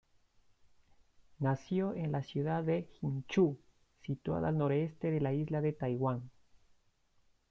Nació en la ciudad de Hsinchu, situada al noroeste de la isla de Taiwán.